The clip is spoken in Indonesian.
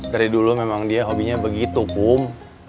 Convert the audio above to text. dari dulu dia hobinya begitu kom